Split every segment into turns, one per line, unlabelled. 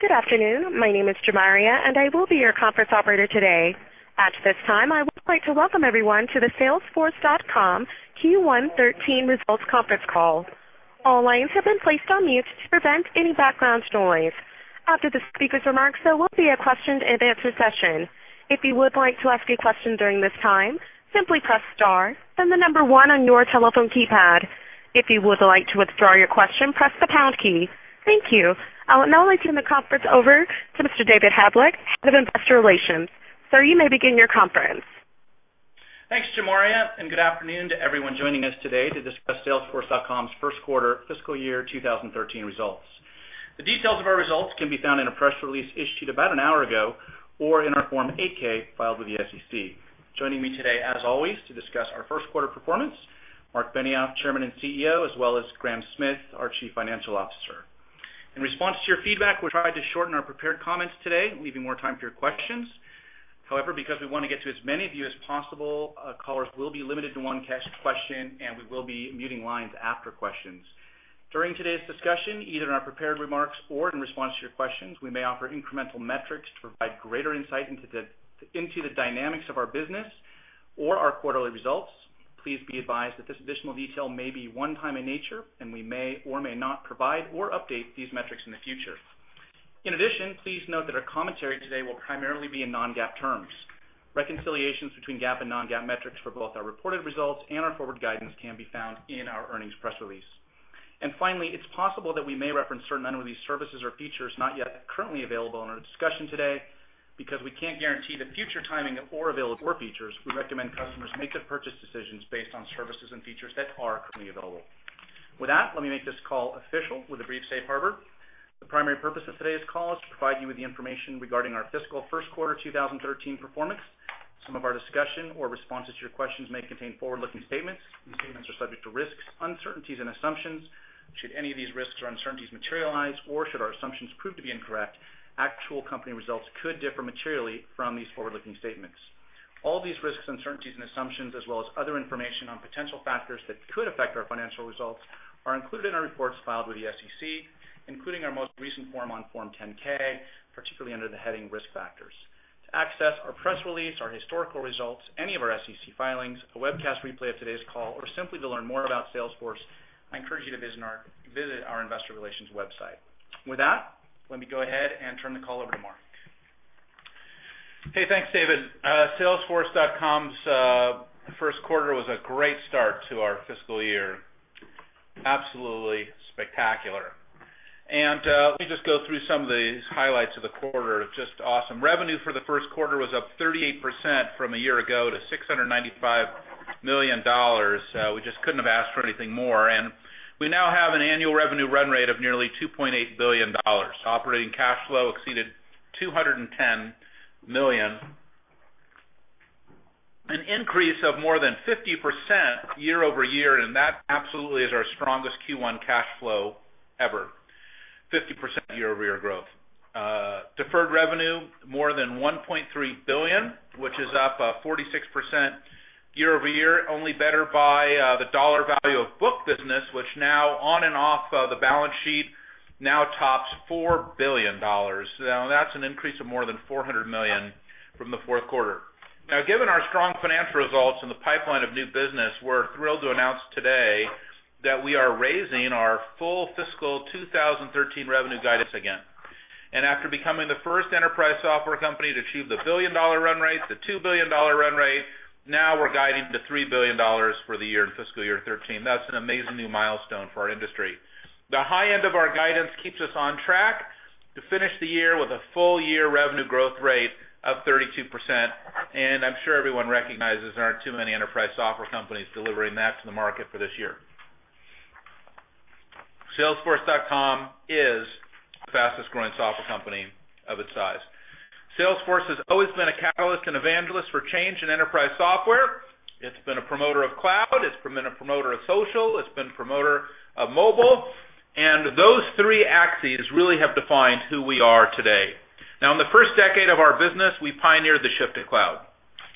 Good afternoon. My name is Jamaria, and I will be your conference operator today. At this time, I would like to welcome everyone to the Salesforce.com Q1 2013 results conference call. All lines have been placed on mute to prevent any background noise. After the speaker's remarks, there will be a question and answer session. If you would like to ask a question during this time, simply press star, then the number 1 on your telephone keypad. If you would like to withdraw your question, press the pound key. Thank you. I will now turn the conference over to Mr. David Havlek, Head of Investor Relations. Sir, you may begin your conference.
Thanks, Jamaria, good afternoon to everyone joining us today to discuss Salesforce.com's first quarter fiscal year 2013 results. The details of our results can be found in a press release issued about an hour ago or in our Form 8-K filed with the SEC. Joining me today, as always, to discuss our first quarter performance, Marc Benioff, Chairman and CEO, as well as Graham Smith, our Chief Financial Officer. In response to your feedback, we tried to shorten our prepared comments today, leaving more time for your questions. Because we want to get to as many of you as possible, callers will be limited to 1 question, and we will be muting lines after questions. During today's discussion, either in our prepared remarks or in response to your questions, we may offer incremental metrics to provide greater insight into the dynamics of our business or our quarterly results. Please be advised that this additional detail may be one-time in nature, and we may or may not provide or update these metrics in the future. In addition, please note that our commentary today will primarily be in non-GAAP terms. Reconciliations between GAAP and non-GAAP metrics for both our reported results and our forward guidance can be found in our earnings press release. Finally, it's possible that we may reference certain 1 of these services or features not yet currently available in our discussion today. Because we can't guarantee the future timing or available features, we recommend customers make their purchase decisions based on services and features that are currently available. With that, let me make this call official with a brief safe harbor. The primary purpose of today's call is to provide you with the information regarding our fiscal first quarter 2013 performance. Some of our discussion or responses to your questions may contain forward-looking statements. These statements are subject to risks, uncertainties and assumptions. Should any of these risks or uncertainties materialize or should our assumptions prove to be incorrect, actual company results could differ materially from these forward-looking statements. All these risks, uncertainties, and assumptions, as well as other information on potential factors that could affect our financial results are included in our reports filed with the SEC, including our most recent form on Form 10-K, particularly under the heading Risk Factors. To access our press release, our historical results, any of our SEC filings, a webcast replay of today's call, or simply to learn more about Salesforce, I encourage you to visit our investor relations website. With that, let me go ahead and turn the call over to Marc.
Thanks, David. Salesforce.com's first quarter was a great start to our fiscal year. Absolutely spectacular. Let me just go through some of these highlights of the quarter. Just awesome. Revenue for the first quarter was up 38% from a year ago to $695 million. We just couldn't have asked for anything more. We now have an annual revenue run rate of nearly $2.8 billion. Operating cash flow exceeded $210 million, an increase of more than 50% year-over-year, and that absolutely is our strongest Q1 cash flow ever, 50% year-over-year growth. Deferred revenue, more than $1.3 billion, which is up 46% year-over-year, only bettered by the dollar value of book business, which now on and off the balance sheet now tops $4 billion. That's an increase of more than $400 million from the fourth quarter. Given our strong financial results and the pipeline of new business, we're thrilled to announce today that we are raising our full fiscal 2013 revenue guidance again. After becoming the first enterprise software company to achieve the billion-dollar run rate, the $2 billion run rate, we're guiding to $3 billion for the year in fiscal year 2013. That's an amazing new milestone for our industry. The high end of our guidance keeps us on track to finish the year with a full year revenue growth rate of 32%, and I'm sure everyone recognizes there aren't too many enterprise software companies delivering that to the market for this year. Salesforce.com is the fastest growing software company of its size. Salesforce has always been a catalyst and evangelist for change in enterprise software. It's been a promoter of cloud, it's been a promoter of social, it's been a promoter of mobile, those three axes really have defined who we are today. In the first decade of our business, we pioneered the shift to cloud.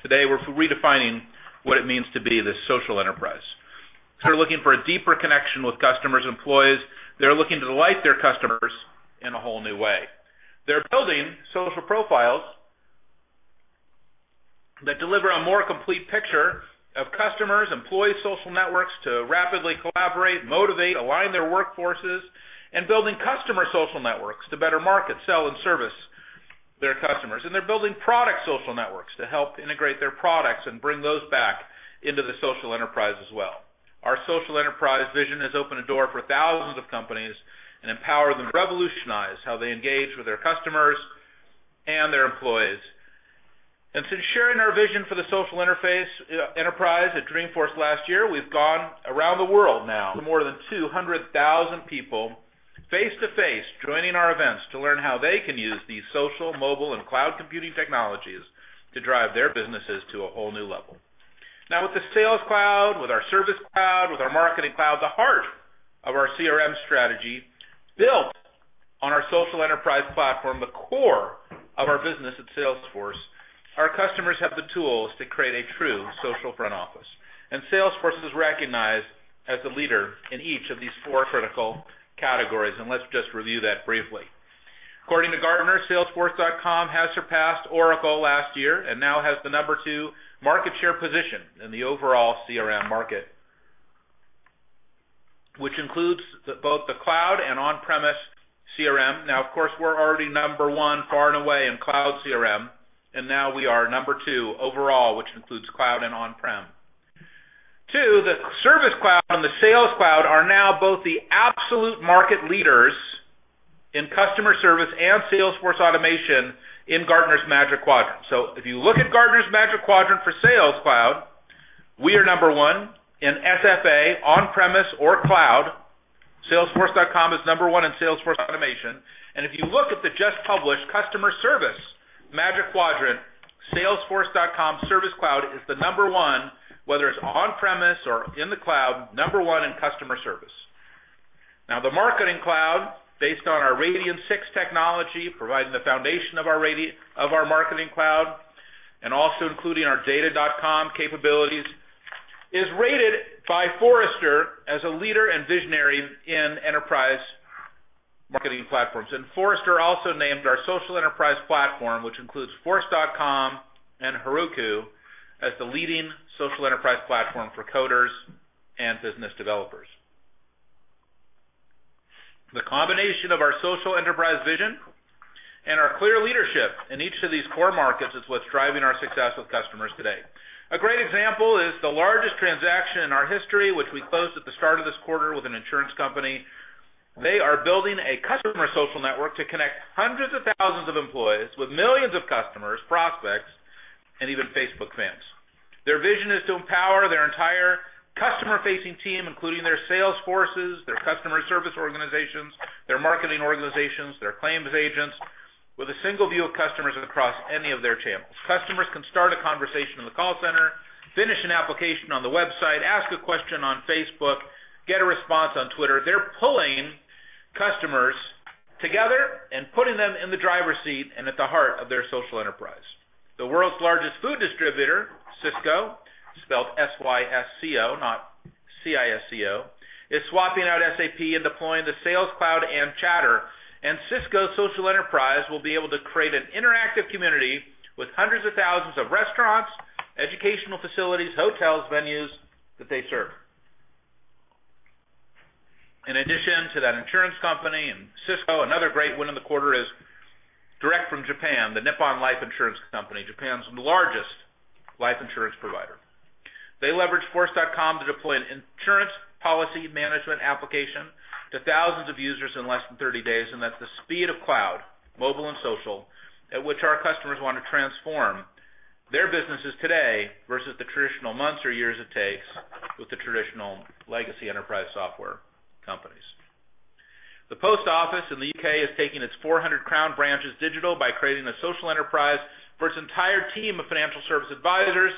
Today, we're redefining what it means to be this social enterprise. We're looking for a deeper connection with customers, employees. They're looking to delight their customers in a whole new way. They're building social profiles that deliver a more complete picture of customers, employee social networks to rapidly collaborate, motivate, align their workforces, building customer social networks to better market, sell, and service their customers. They're building product social networks to help integrate their products and bring those back into the social enterprise as well. Our social enterprise vision has opened a door for thousands of companies and empowered them to revolutionize how they engage with their customers and their employees. Since sharing our vision for the social enterprise at Dreamforce last year, we've gone around the world now. More than 200,000 people face to face, joining our events to learn how they can use these social, mobile, and cloud computing technologies to drive their businesses to a whole new level. With the Sales Cloud, with our Service Cloud, with our Marketing Cloud, the heart of our CRM strategy built on our social enterprise platform, the core of our business at Salesforce, our customers have the tools to create a true social front office, Salesforce is recognized as the leader in each of these four critical categories, let's just review that briefly. According to Gartner, Salesforce.com has surpassed Oracle last year and now has the number two market share position in the overall CRM market, which includes both the cloud and on-premise CRM. Of course, we're already number one far and away in cloud CRM, and now we are number two overall, which includes cloud and on-prem. The Service Cloud and the Sales Cloud are now both the absolute market leaders in customer service and Salesforce automation in Gartner's Magic Quadrant. If you look at Gartner's Magic Quadrant for Sales Cloud, we are number one in SFA, on-premise or cloud. Salesforce.com is number one in Salesforce automation. If you look at the just-published customer service Magic Quadrant, Salesforce.com Service Cloud is the number one, whether it's on-premise or in the cloud, number one in customer service. The Marketing Cloud, based on our Radian6 technology, providing the foundation of our Marketing Cloud, also including our Data.com capabilities, is rated by Forrester as a leader and visionary in enterprise marketing platforms. Forrester also named our social enterprise platform, which includes Force.com and Heroku, as the leading social enterprise platform for coders and business developers. The combination of our social enterprise vision and our clear leadership in each of these core markets is what's driving our success with customers today. A great example is the largest transaction in our history, which we closed at the start of this quarter with an insurance company. They are building a customer social network to connect hundreds of thousands of employees with millions of customers, prospects, and even Facebook fans. Their vision is to empower their entire customer-facing team, including their sales forces, their customer service organizations, their marketing organizations, their claims agents, with a single view of customers across any of their channels. Customers can start a conversation in the call center, finish an application on the website, ask a question on Facebook, get a response on Twitter. They're pulling customers together and putting them in the driver's seat and at the heart of their social enterprise. The world's largest food distributor, Sysco, spelled S-Y-S-C-O, not Cisco, is swapping out SAP and deploying the Sales Cloud and Chatter. Sysco's social enterprise will be able to create an interactive community with hundreds of thousands of restaurants, educational facilities, hotels, venues that they serve. In addition to that insurance company and Sysco, another great win in the quarter is direct from Japan, the Nippon Life Insurance Company, Japan's largest life insurance provider. They leveraged Force.com to deploy an insurance policy management application to thousands of users in less than 30 days. That's the speed of cloud, mobile, and social at which our customers want to transform their businesses today versus the traditional months or years it takes with the traditional legacy enterprise software companies. The Post Office in the U.K. is taking its 400 Crown branches digital by creating a social enterprise for its entire team of financial service advisors.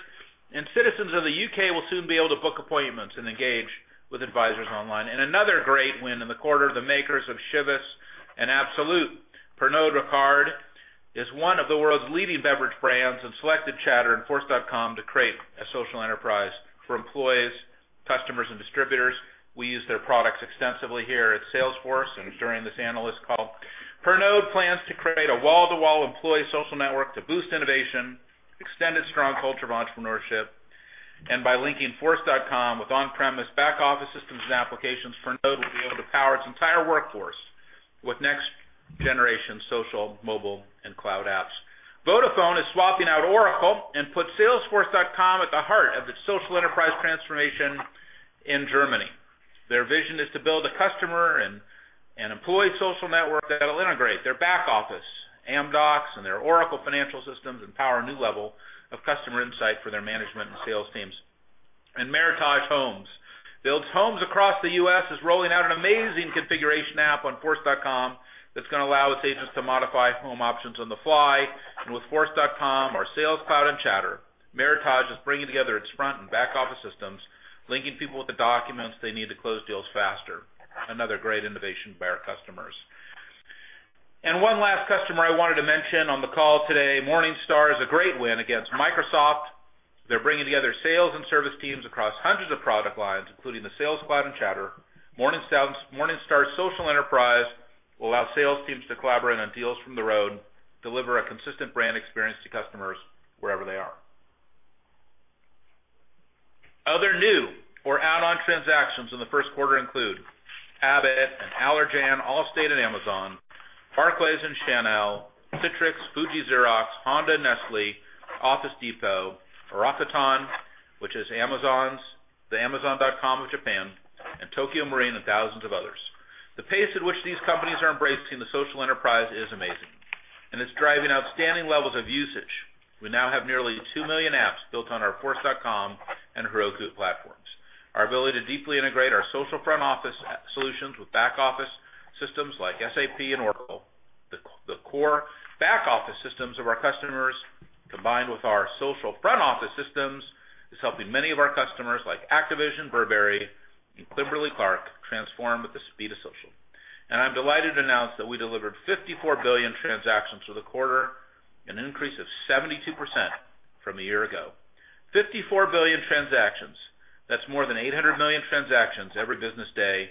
Citizens of the U.K. will soon be able to book appointments and engage with advisors online. Another great win in the quarter, the makers of Chivas and Absolut, Pernod Ricard, is one of the world's leading beverage brands and selected Chatter and Force.com to create a social enterprise for employees, customers, and distributors. We use their products extensively here at Salesforce and during this analyst call. Pernod plans to create a wall-to-wall employee social network to boost innovation, extend its strong culture of entrepreneurship, by linking Force.com with on-premise back-office systems and applications, Pernod will be able to power its entire workforce with next-generation social, mobile, and cloud apps. Vodafone is swapping out Oracle and put Salesforce.com at the heart of its social enterprise transformation in Germany. Their vision is to build a customer and employee social network that'll integrate their back office, Amdocs, and their Oracle financial systems, and power a new level of customer insight for their management and sales teams. Meritage Homes builds homes across the U.S., is rolling out an amazing configuration app on Force.com that's going to allow its agents to modify home options on the fly. With Force.com, our Sales Cloud, and Chatter, Meritage is bringing together its front and back-office systems, linking people with the documents they need to close deals faster. Another great innovation by our customers. One last customer I wanted to mention on the call today, Morningstar, is a great win against Microsoft. They're bringing together sales and service teams across hundreds of product lines, including the Sales Cloud and Chatter. Morningstar's social enterprise will allow sales teams to collaborate on deals from the road, deliver a consistent brand experience to customers wherever they are. Other new or add-on transactions in the first quarter include Abbott and Allergan, Allstate and Amazon, Barclays and Chanel, Citrix, Fuji Xerox, Honda, Nestlé, Office Depot, Rakuten, which is the amazon.com of Japan, and Tokio Marine, and thousands of others. The pace at which these companies are embracing the social enterprise is amazing, and it's driving outstanding levels of usage. We now have nearly 2 million apps built on our Force.com and Heroku platforms. Our ability to deeply integrate our social front-office solutions with back-office systems like SAP and Oracle, the core back-office systems of our customers Combined with our social front office systems, is helping many of our customers like Activision, Burberry, and Kimberly-Clark transform with the speed of social. I'm delighted to announce that we delivered 54 billion transactions for the quarter, an increase of 72% from a year ago. 54 billion transactions. That's more than 800 million transactions every business day.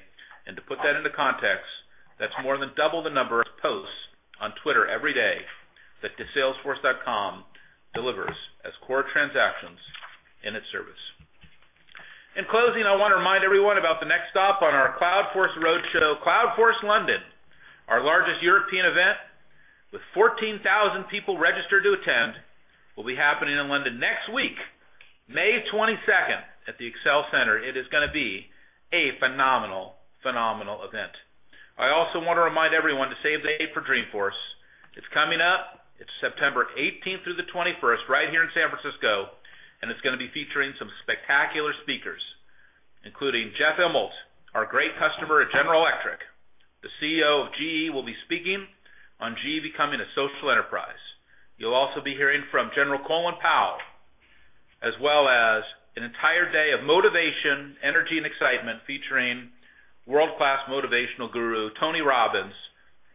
To put that into context, that's more than double the number of posts on Twitter every day that the Salesforce.com delivers as core transactions in its service. In closing, I want to remind everyone about the next stop on our Cloudforce road show, Cloudforce London, our largest European event, with 14,000 people registered to attend, will be happening in London next week, May 22nd at the ExCeL London. It is going to be a phenomenal event. I also want to remind everyone to save the date for Dreamforce. It's coming up. It's September 18th through the 21st, right here in San Francisco, and it's going to be featuring some spectacular speakers, including Jeff Immelt, our great customer at General Electric. The CEO of GE will be speaking on GE becoming a social enterprise. You'll also be hearing from General Colin Powell, as well as an entire day of motivation, energy, and excitement featuring world-class motivational guru, Tony Robbins,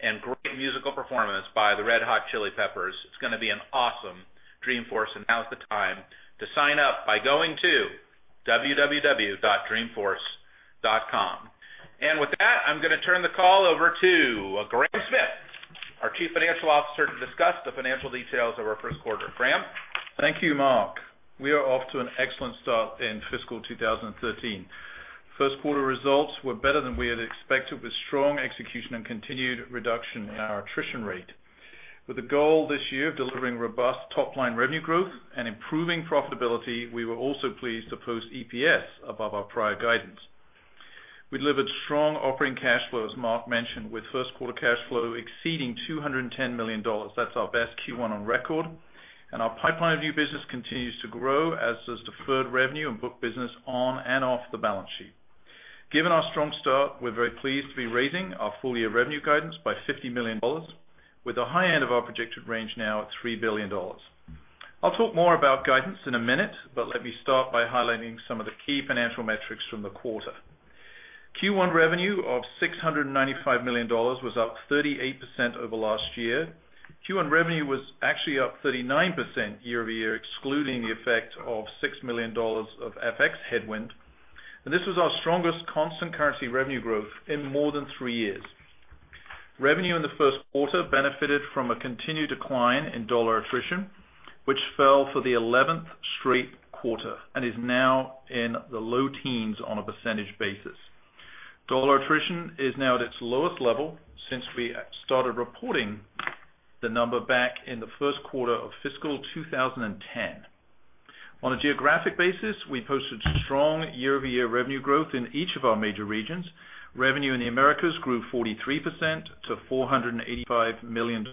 and great musical performance by the Red Hot Chili Peppers. It's going to be an awesome Dreamforce. Now is the time to sign up by going to www.dreamforce.com. With that, I'm going to turn the call over to Graham Smith, our Chief Financial Officer, to discuss the financial details of our first quarter. Graham?
Thank you, Marc. We are off to an excellent start in fiscal 2013. First quarter results were better than we had expected, with strong execution and continued reduction in our attrition rate. With a goal this year of delivering robust top-line revenue growth and improving profitability, we were also pleased to post EPS above our prior guidance. We delivered strong operating cash flow, as Marc mentioned, with first quarter cash flow exceeding $210 million. That's our best Q1 on record. Our pipeline of new business continues to grow, as does deferred revenue and book business on and off the balance sheet. Given our strong start, we're very pleased to be raising our full-year revenue guidance by $50 million, with the high end of our projected range now at $3 billion. I'll talk more about guidance in a minute. Let me start by highlighting some of the key financial metrics from the quarter. Q1 revenue of $695 million was up 38% over last year. Q1 revenue was actually up 39% year-over-year, excluding the effect of $6 million of FX headwind, and this was our strongest constant currency revenue growth in more than three years. Revenue in the first quarter benefited from a continued decline in dollar attrition, which fell for the 11th straight quarter and is now in the low teens on a % basis. Dollar attrition is now at its lowest level since we started reporting the number back in the first quarter of fiscal 2010. On a geographic basis, we posted strong year-over-year revenue growth in each of our major regions. Revenue in the Americas grew 43% to $485 million.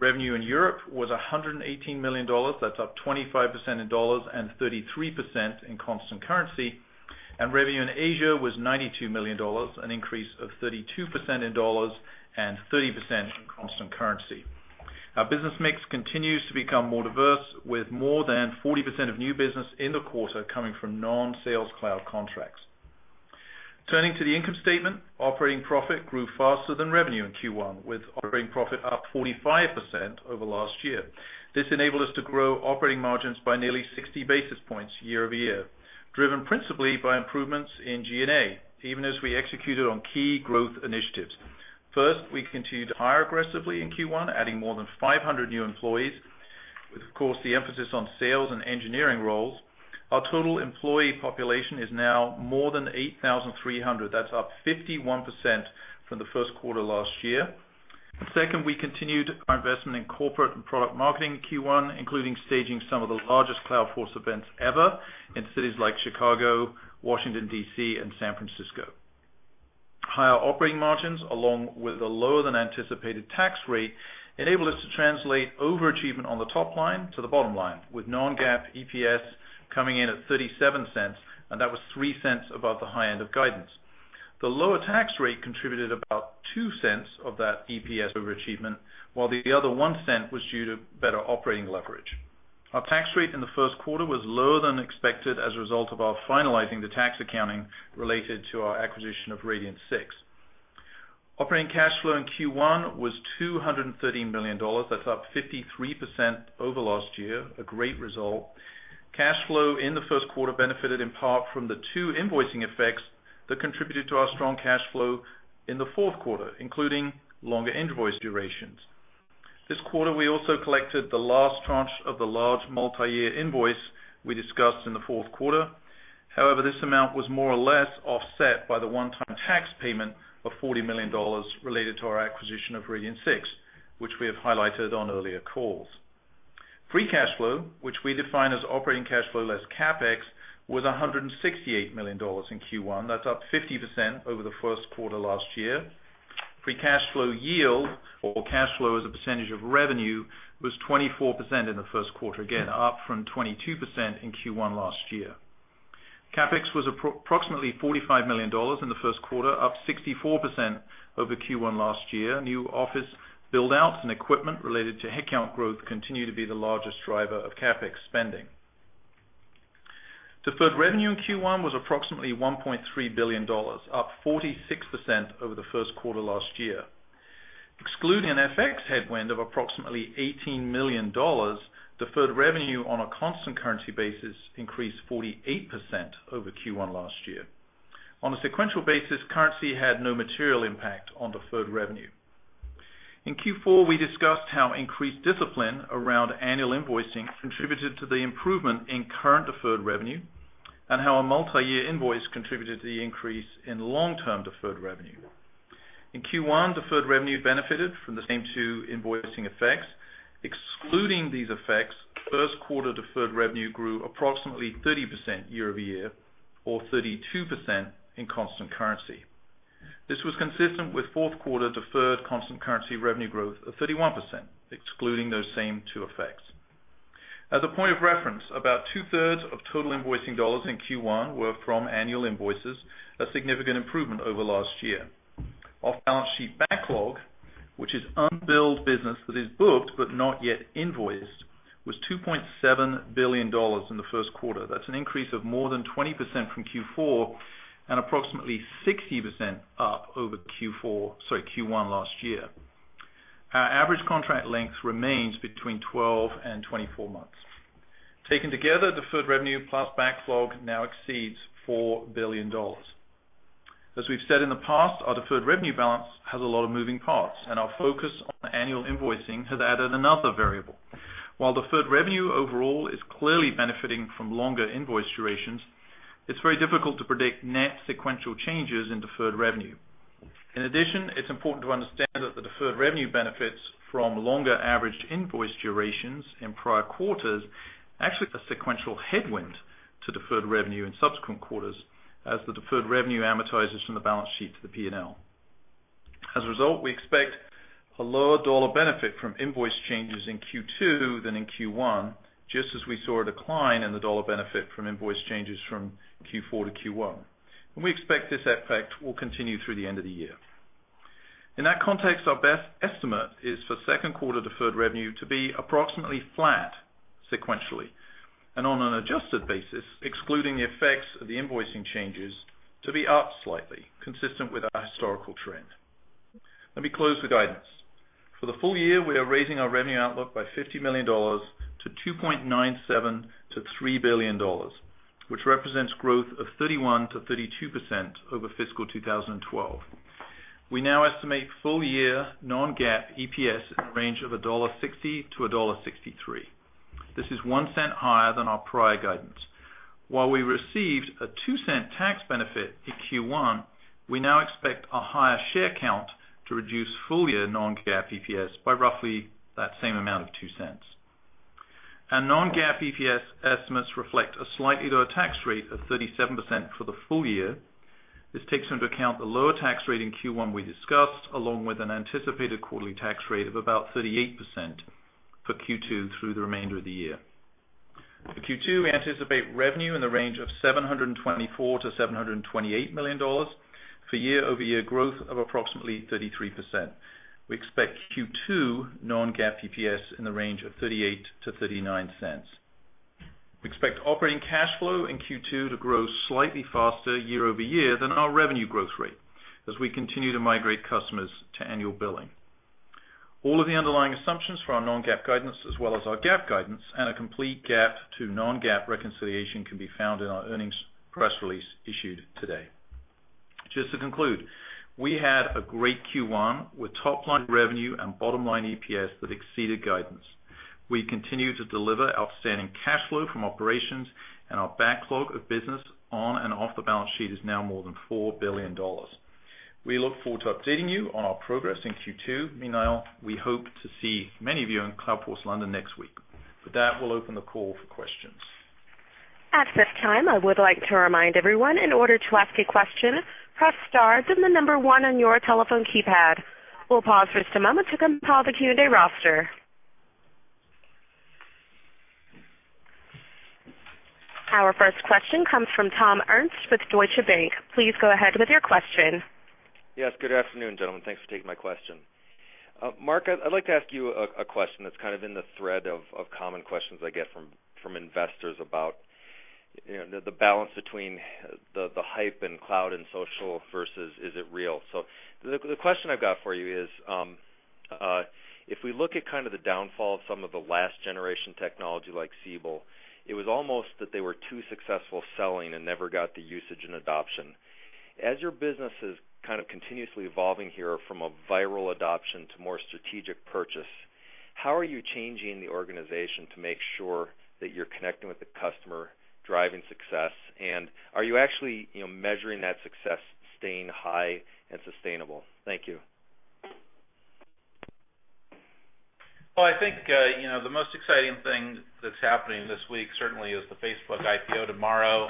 Revenue in Europe was $118 million. That's up 25% in dollars and 33% in constant currency. Revenue in Asia was $92 million, an increase of 32% in dollars and 30% in constant currency. Our business mix continues to become more diverse, with more than 40% of new business in the quarter coming from non-Sales Cloud contracts. Turning to the income statement, operating profit grew faster than revenue in Q1, with operating profit up 45% over last year. This enabled us to grow operating margins by nearly 60 basis points year-over-year, driven principally by improvements in G&A, even as we executed on key growth initiatives. First, we continued to hire aggressively in Q1, adding more than 500 new employees, with, of course, the emphasis on sales and engineering roles. Our total employee population is now more than 8,300. That's up 51% from the first quarter last year. Second, we continued our investment in corporate and product marketing in Q1, including staging some of the largest Cloudforce events ever in cities like Chicago, Washington, D.C., and San Francisco. Higher operating margins, along with a lower than anticipated tax rate, enabled us to translate overachievement on the top line to the bottom line, with non-GAAP EPS coming in at $0.37, that was $0.03 above the high end of guidance. The lower tax rate contributed about $0.02 of that EPS overachievement, while the other $0.01 was due to better operating leverage. Our tax rate in the first quarter was lower than expected as a result of our finalizing the tax accounting related to our acquisition of Radian6. Operating cash flow in Q1 was $213 million. That's up 53% over last year, a great result. Cash flow in the first quarter benefited in part from the two invoicing effects that contributed to our strong cash flow in the fourth quarter, including longer invoice durations. This quarter, we also collected the last tranche of the large multi-year invoice we discussed in the fourth quarter. However, this amount was more or less offset by the one-time tax payment of $40 million related to our acquisition of Radian6, which we have highlighted on earlier calls. Free cash flow, which we define as operating cash flow less CapEx, was $168 million in Q1. That's up 50% over the first quarter last year. Free cash flow yield, or cash flow as a percentage of revenue, was 24% in the first quarter, again, up from 22% in Q1 last year. CapEx was approximately $45 million in the first quarter, up 64% over Q1 last year. New office build-outs and equipment related to headcount growth continue to be the largest driver of CapEx spending. Deferred revenue in Q1 was approximately $1.3 billion, up 46% over the first quarter last year. Excluding an FX headwind of approximately $18 million, deferred revenue on a constant currency basis increased 48% over Q1 last year. On a sequential basis, currency had no material impact on deferred revenue. In Q4, we discussed how increased discipline around annual invoicing contributed to the improvement in current deferred revenue, how a multi-year invoice contributed to the increase in long-term deferred revenue. In Q1, deferred revenue benefited from the same two invoicing effects. Excluding these effects, first quarter deferred revenue grew approximately 30% year-over-year or 32% in constant currency. This was consistent with fourth quarter deferred constant currency revenue growth of 31%, excluding those same two effects. As a point of reference, about two-thirds of total invoicing dollars in Q1 were from annual invoices, a significant improvement over last year. Off-balance sheet backlog, which is unbilled business that is booked but not yet invoiced, was $2.7 billion in the first quarter. That's an increase of more than 20% from Q4 and approximately 60% up over Q1 last year. Our average contract length remains between 12 and 24 months. Taken together, deferred revenue plus backlog now exceeds $4 billion. As we've said in the past, our deferred revenue balance has a lot of moving parts, and our focus on annual invoicing has added another variable. While deferred revenue overall is clearly benefiting from longer invoice durations, it's very difficult to predict net sequential changes in deferred revenue. In addition, it is important to understand that the deferred revenue benefits from longer average invoice durations in prior quarters are actually a sequential headwind to deferred revenue in subsequent quarters as the deferred revenue amortizes from the balance sheet to the P&L. As a result, we expect a lower dollar benefit from invoice changes in Q2 than in Q1, just as we saw a decline in the dollar benefit from invoice changes from Q4 to Q1. We expect this effect will continue through the end of the year. In that context, our best estimate is for second quarter deferred revenue to be approximately flat sequentially, and on an adjusted basis, excluding the effects of the invoicing changes, to be up slightly, consistent with our historical trend. Let me close with guidance. For the full year, we are raising our revenue outlook by $50 million to $2.97 billion-$3 billion, which represents growth of 31%-32% over fiscal 2012. We now estimate full year non-GAAP EPS in the range of $1.60-$1.63. This is $0.01 higher than our prior guidance. We received a $0.02 tax benefit in Q1, we now expect a higher share count to reduce full-year non-GAAP EPS by roughly that same amount of $0.02. Our non-GAAP EPS estimates reflect a slightly lower tax rate of 37% for the full year. This takes into account the lower tax rate in Q1 we discussed, along with an anticipated quarterly tax rate of about 38% for Q2 through the remainder of the year. For Q2, we anticipate revenue in the range of $724 million-$728 million, for year-over-year growth of approximately 33%. We expect Q2 non-GAAP EPS in the range of $0.38-$0.39. We expect operating cash flow in Q2 to grow slightly faster year-over-year than our revenue growth rate, as we continue to migrate customers to annual billing. All of the underlying assumptions for our non-GAAP guidance, as well as our GAAP guidance, and a complete GAAP-to-non-GAAP reconciliation can be found in our earnings press release issued today. Just to conclude, we had a great Q1 with top-line revenue and bottom-line EPS that exceeded guidance. We continue to deliver outstanding cash flow from operations, and our backlog of business on and off the balance sheet is now more than $4 billion. We look forward to updating you on our progress in Q2. Meanwhile, we hope to see many of you in Cloudforce London next week. With that, we will open the call for questions.
At this time, I would like to remind everyone, in order to ask a question, press star, then the number 1 on your telephone keypad. We will pause for just a moment to compile the Q&A roster. Our first question comes from Tom Ernst with Deutsche Bank. Please go ahead with your question.
Yes. Good afternoon, gentlemen. Thanks for taking my question. Mark, I'd like to ask you a question that's kind of in the thread of common questions I get from investors about the balance between the hype in cloud and social versus is it real? The question I've got for you is, if we look at kind of the downfall of some of the last generation technology like Siebel, it was almost that they were too successful selling and never got the usage and adoption. As your business is kind of continuously evolving here from a viral adoption to more strategic purchase, how are you changing the organization to make sure that you're connecting with the customer, driving success, and are you actually measuring that success staying high and sustainable? Thank you.
Well, I think the most exciting thing that's happening this week certainly is the Facebook IPO tomorrow.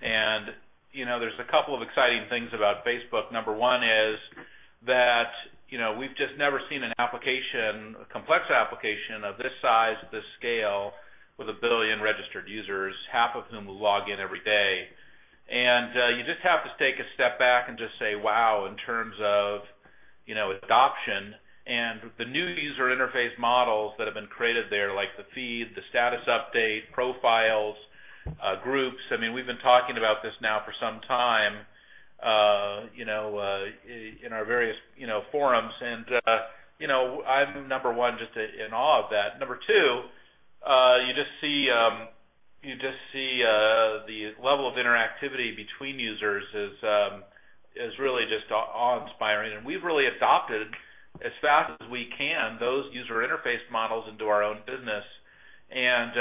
There's a couple of exciting things about Facebook. Number one is that we've just never seen a complex application of this size, this scale, with a billion registered users, half of whom will log in every day. You just have to take a step back and just say, "Wow," in terms of adoption and the new user interface models that have been created there, like the feed, the status update, profiles, groups. We've been talking about this now for some time in our various forums. I'm, number one, just in awe of that. Number two, you just see the level of interactivity between users is really just awe-inspiring. We've really adopted, as fast as we can, those user interface models into our own business, and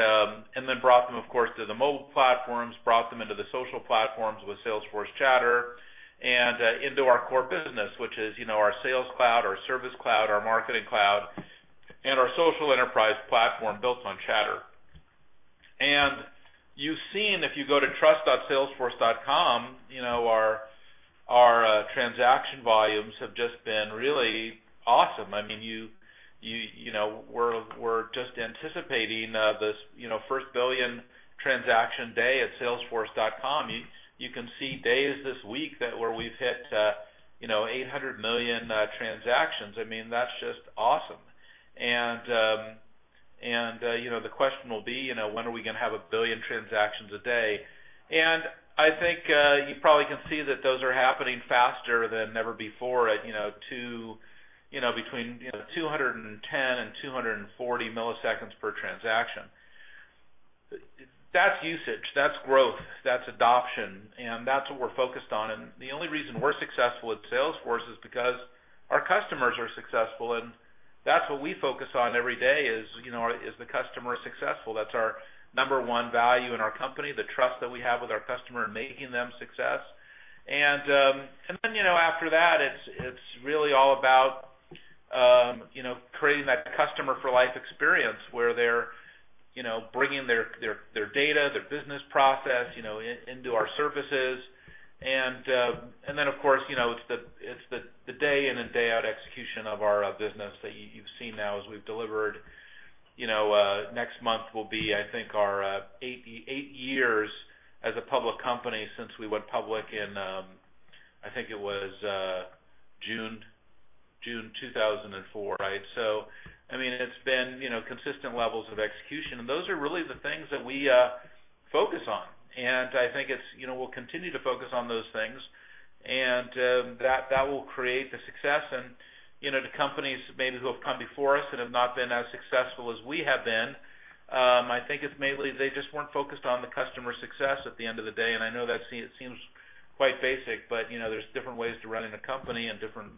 then brought them, of course, to the mobile platforms, brought them into the social platforms with Salesforce Chatter, and into our core business, which is our Sales Cloud, our Service Cloud, our Marketing Cloud, and our social enterprise platform built on Chatter. You've seen, if you go to trust.salesforce.com, our transaction volumes have just been really awesome. We're just anticipating the first billion transaction day at Salesforce.com. You can see days this week where we've hit 800 million transactions. That's just awesome. The question will be, when are we going to have a billion transactions a day? I think you probably can see that those are happening faster than ever before, at between 210 and 240 milliseconds per transaction. That's usage, that's growth, that's adoption, that's what we're focused on. The only reason we're successful at Salesforce is because our customers are successful, and that's what we focus on every day, is the customer successful? That's our number one value in our company, the trust that we have with our customer in making them success. After that, it's really all about creating that customer-for-life experience, where they're bringing their data, their business process, into our services. Of course, it's the day in and day out execution of our business that you've seen now as we've delivered. Next month will be, I think, our eight years as a public company since we went public in, I think it was June 2004, right? It's been consistent levels of execution. Those are really the things that we focus on. I think we'll continue to focus on those things, and that will create the success. The companies maybe who have come before us and have not been as successful as we have been, I think it's mainly they just weren't focused on the customer success at the end of the day. I know that seems quite basic, but there's different ways to running a company and different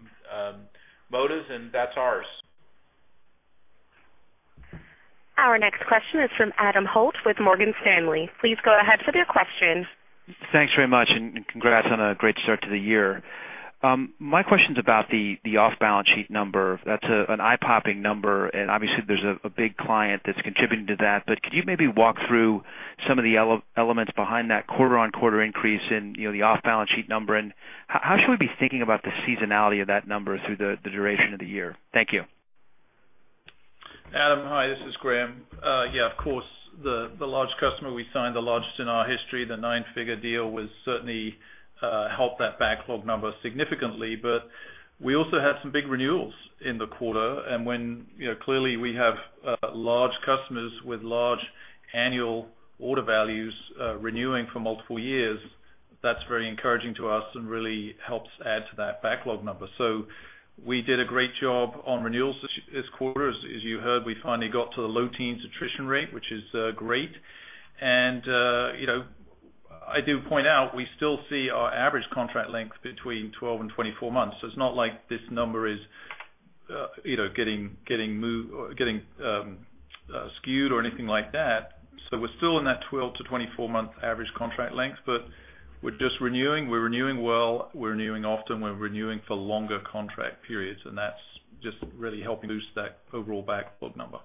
motives, and that's ours.
Our next question is from Adam Holt with Morgan Stanley. Please go ahead with your question.
Thanks very much, and congrats on a great start to the year. My question's about the off-balance sheet number. That's an eye-popping number, and obviously, there's a big client that's contributing to that. Could you maybe walk through some of the elements behind that quarter-on-quarter increase in the off-balance sheet number? How should we be thinking about the seasonality of that number through the duration of the year? Thank you.
Adam, hi. This is Graham. Of course, the large customer we signed, the largest in our history, the nine-figure deal, certainly helped that backlog number significantly. We also had some big renewals in the quarter. When clearly we have large customers with large annual order values renewing for multiple years, that's very encouraging to us and really helps add to that backlog number. We did a great job on renewals this quarter. As you heard, we finally got to the low teens attrition rate, which is great. I do point out, we still see our average contract length between 12 and 24 months. It's not like this number is getting skewed or anything like that. We're still in that 12 to 24 month average contract length, but we're just renewing. We're renewing well, we're renewing often, we're renewing for longer contract periods, that's just really helping boost that overall backlog number.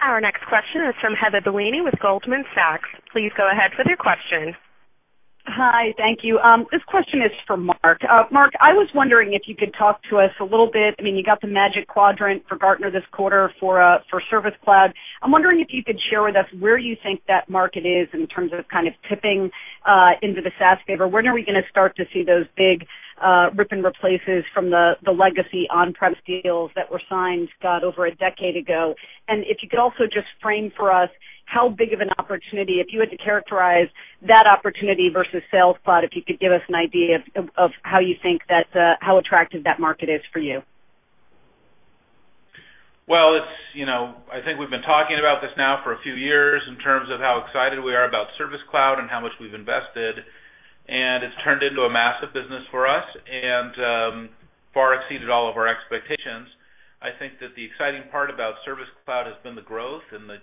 Our next question is from Heather Bellini with Goldman Sachs. Please go ahead with your question.
Hi, thank you. This question is for Marc. Marc, I was wondering if you could talk to us a little bit. You got the Magic Quadrant for Gartner this quarter for Service Cloud. I'm wondering if you could share with us where you think that market is in terms of kind of tipping into the SaaS favor. When are we going to start to see those big rip and replaces from the legacy on-premise deals that were signed, God, over a decade ago? If you could also just frame for us how big of an opportunity, if you had to characterize that opportunity versus Sales Cloud, if you could give us an idea of how you think how attractive that market is for you.
I think we've been talking about this now for a few years in terms of how excited we are about Service Cloud and how much we've invested, and it's turned into a massive business for us and far exceeded all of our expectations. I think that the exciting part about Service Cloud has been the growth and the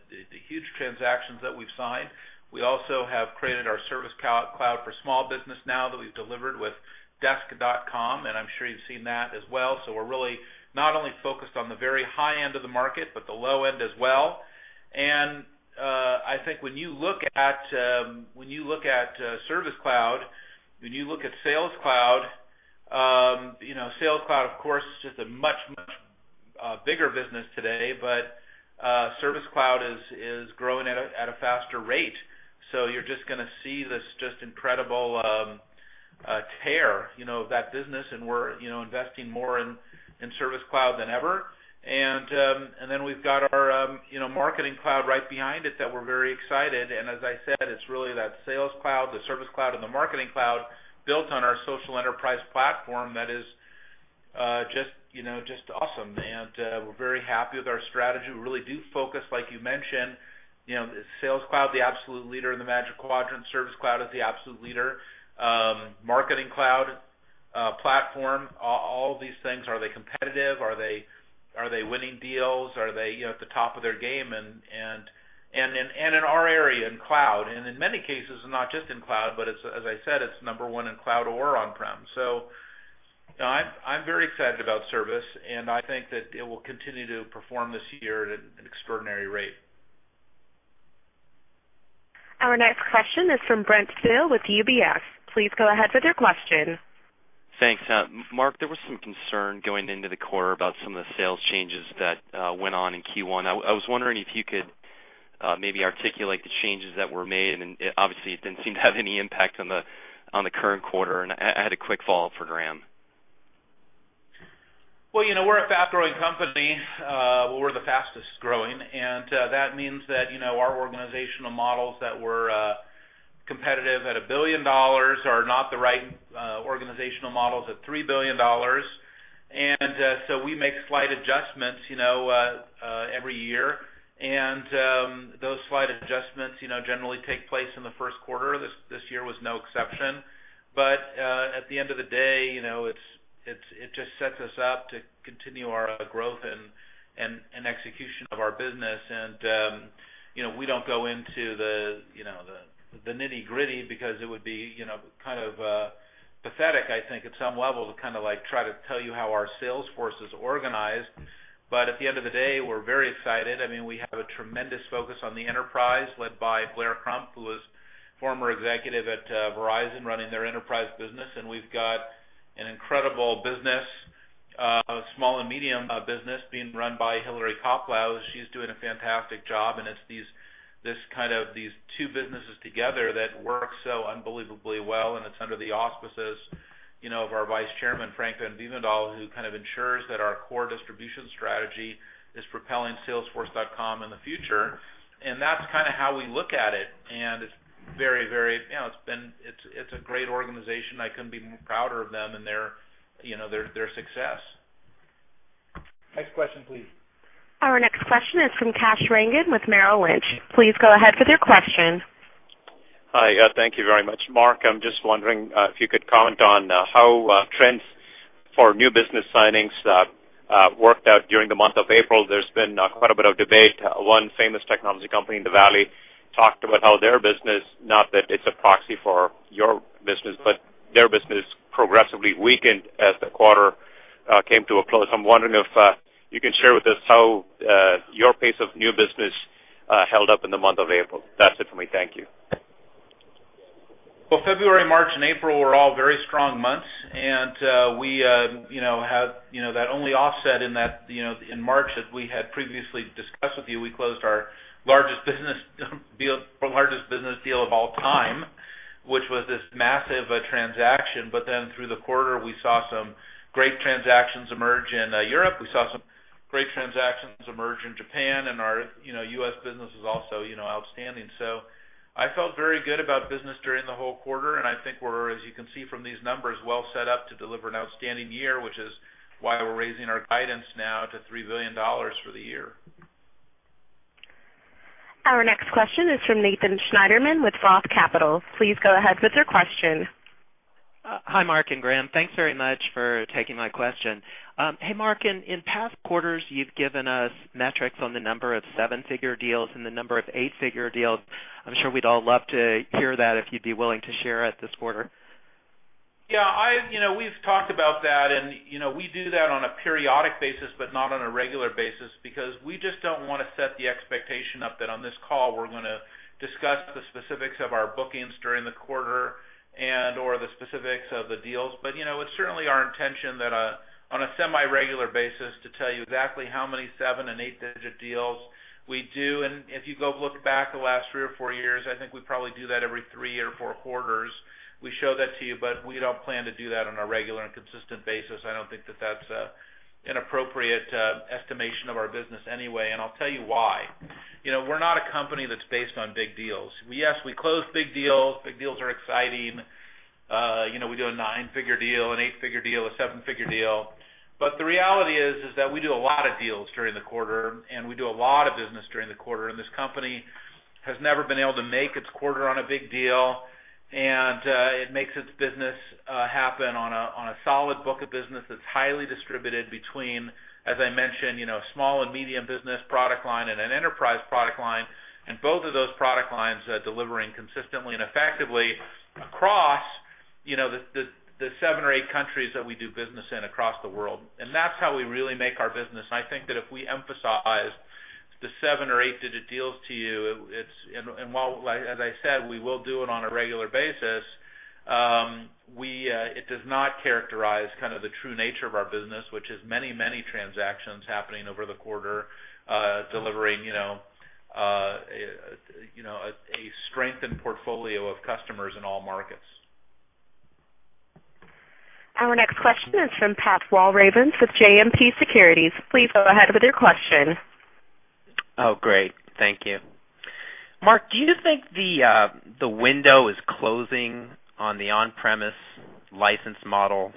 huge transactions that we've signed. We also have created our Service Cloud for small business now that we've delivered with desk.com, and I'm sure you've seen that as well. We're really not only focused on the very high end of the market, but the low end as well. I think when you look at Service Cloud, when you look at Sales Cloud, of course, is just a much bigger business today, but Service Cloud is growing at a faster rate. You're just going to see this just incredible tear of that business, and we're investing more in Service Cloud than ever. Then we've got our Marketing Cloud right behind it that we're very excited. As I said, it's really that Sales Cloud, the Service Cloud, and the Marketing Cloud built on our social enterprise platform that is just awesome. We're very happy with our strategy. We really do focus, like you mentioned, Sales Cloud, the absolute leader in the Magic Quadrant, Service Cloud is the absolute leader, Marketing Cloud platform, all of these things, are they competitive? Are they winning deals? Are they at the top of their game? In our area, in cloud, and in many cases, not just in cloud, but as I said, it's number one in cloud or on-prem. I'm very excited about Service Cloud, and I think that it will continue to perform this year at an extraordinary rate.
Our next question is from Brent Thill with UBS. Please go ahead with your question.
Thanks. Marc, there was some concern going into the quarter about some of the sales changes that went on in Q1. I was wondering if you could maybe articulate the changes that were made, obviously, it didn't seem to have any impact on the current quarter. I had a quick follow-up for Graham.
Well, we're a fast-growing company. Well, we're the fastest-growing, that means that our organizational models that were competitive at $1 billion are not the right organizational models at $3 billion. So we make slight adjustments every year. Those slight adjustments generally take place in the first quarter. This year was no exception. At the end of the day, it just sets us up to continue our growth and execution of our business. We don't go into the nitty-gritty because it would be kind of pathetic, I think, at some level to try to tell you how our Salesforce is organized. At the end of the day, we're very excited. We have a tremendous focus on the enterprise, led by Blair Crump, who was former executive at Verizon, running their enterprise business. We've got an incredible business, small and medium business being run by Hilarie Koplow. She's doing a fantastic job, it's these two businesses together that work so unbelievably well, it's under the auspices of our Vice Chairman, Frank van Veenendaal, who kind of ensures that our core distribution strategy is propelling Salesforce.com in the future. That's how we look at it's a great organization. I couldn't be more prouder of them and their success.
Next question, please.
Our next question is from Kash Rangan with Merrill Lynch. Please go ahead with your question.
Hi. Thank you very much. Mark, I'm just wondering if you could comment on how trends for new business signings worked out during the month of April. There's been quite a bit of debate. One famous technology company in the valley talked about how their business, not that it's a proxy for your business, but their business progressively weakened as the quarter came to a close. I'm wondering if you can share with us how your pace of new business held up in the month of April. That's it for me. Thank you.
February, March, and April were all very strong months. We had that only offset in March, as we had previously discussed with you, we closed our largest business deal of all time, which was this massive transaction. Through the quarter, we saw some great transactions emerge in Europe. We saw some great transactions emerge in Japan. Our U.S. business was also outstanding. I felt very good about business during the whole quarter, and I think we're, as you can see from these numbers, well set up to deliver an outstanding year, which is why we're raising our guidance now to $3 billion for the year.
Our next question is from Nathan Schneiderman with Roth Capital. Please go ahead with your question.
Hi, Marc and Graham. Thanks very much for taking my question. Hey, Marc, in past quarters, you've given us metrics on the number of seven-figure deals and the number of eight-figure deals. I'm sure we'd all love to hear that if you'd be willing to share it this quarter.
Yeah, we've talked about that, and we do that on a periodic basis, not on a regular basis, because we just don't want to set the expectation up that on this call, we're going to discuss the specifics of our bookings during the quarter and/or the specifics of the deals. It's certainly our intention that on a semi-regular basis to tell you exactly how many seven- and eight-digit deals we do. If you go look back the last three or four years, I think we probably do that every three or four quarters. We show that to you, but we don't plan to do that on a regular and consistent basis. I don't think that that's an appropriate estimation of our business anyway, and I'll tell you why. We're not a company that's based on big deals. Yes, we close big deals. Big deals are exciting. We do a nine-figure deal, an eight-figure deal, a seven-figure deal. The reality is that we do a lot of deals during the quarter, we do a lot of business during the quarter, this company has never been able to make its quarter on a big deal, it makes its business happen on a solid book of business that's highly distributed between, as I mentioned, small and medium business product line and an enterprise product line, both of those product lines delivering consistently and effectively across the seven or eight countries that we do business in across the world. That's how we really make our business. I think that if we emphasize the seven or eight-digit deals to you, as I said, we will do it on a regular basis. It does not characterize the true nature of our business, which is many transactions happening over the quarter, delivering a strengthened portfolio of customers in all markets.
Our next question is from Pat Walravens with JMP Securities. Please go ahead with your question.
Oh, great. Thank you. Marc, do you think the window is closing on the on-premise license model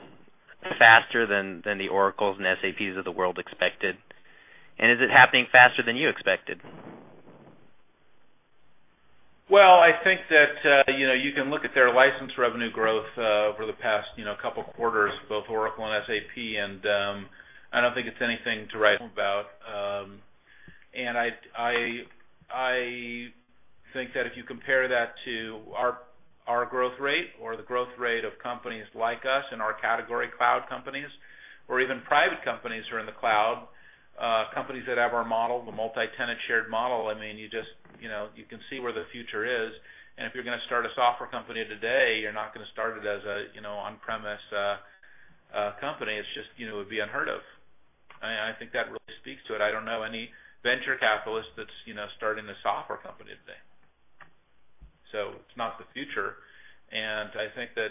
faster than the Oracle and SAP of the world expected? Is it happening faster than you expected?
Well, I think that you can look at their license revenue growth over the past couple of quarters, both Oracle and SAP, I don't think it's anything to write home about. I think that if you compare that to our growth rate or the growth rate of companies like us in our category, cloud companies or even private companies who are in the cloud, companies that have our model, the multi-tenant shared model, you can see where the future is. If you're going to start a software company today, you're not going to start it as an on-premise company. It would be unheard of. I think that really speaks to it. I don't know any venture capitalist that's starting a software company today. It's not the future. I think that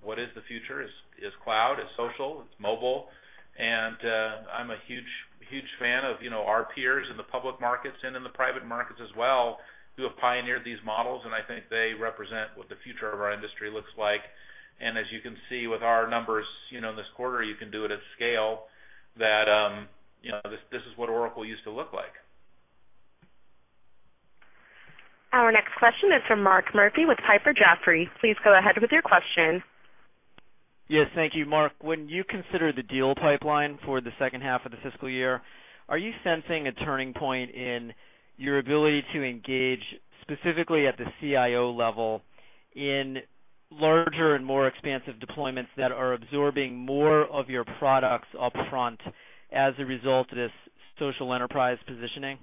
what is the future is cloud, is social, it's mobile. I'm a huge fan of our peers in the public markets and in the private markets as well, who have pioneered these models, I think they represent what the future of our industry looks like. As you can see with our numbers this quarter, you can do it at scale that this is what Oracle used to look like.
Our next question is from Mark Murphy with Piper Jaffray. Please go ahead with your question.
Yes, thank you. Mark, when you consider the deal pipeline for the second half of the fiscal year, are you sensing a turning point in your ability to engage specifically at the CIO level in larger and more expansive deployments that are absorbing more of your products upfront as a result of this social enterprise positioning?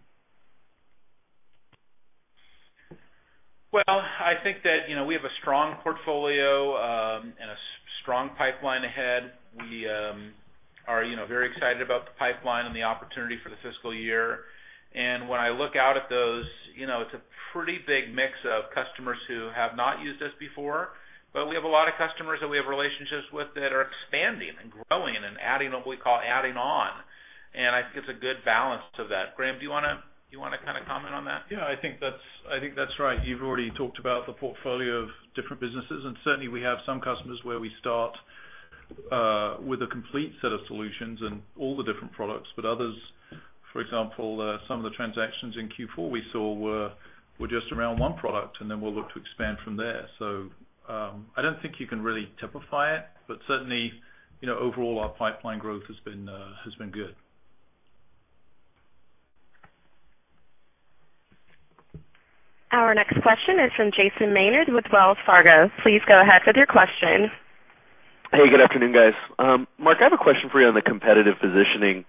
Well, I think that we have a strong portfolio and a strong pipeline ahead. We are very excited about the pipeline and the opportunity for the fiscal year. When I look out at those, it's a pretty big mix of customers who have not used us before. We have a lot of customers that we have relationships with that are expanding and growing and what we call adding on. I think it's a good balance to that. Graham, do you want to comment on that?
Yeah, I think that's right. You've already talked about the portfolio of different businesses. Certainly we have some customers where we start with a complete set of solutions and all the different products. Others, for example, some of the transactions in Q4 we saw were just around one product. Then we'll look to expand from there. I don't think you can really typify it, but certainly, overall our pipeline growth has been good.
Our next question is from Jason Maynard with Wells Fargo. Please go ahead with your question.
Hey, good afternoon, guys. Marc, I have a question for you on the competitive positioning.